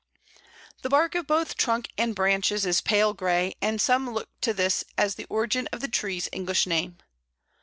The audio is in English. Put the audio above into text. The bark of both trunk and branches is pale grey, and some look to this as the origin of the tree's English name.